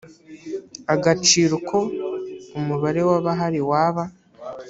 agaciro uko umubare w abahari waba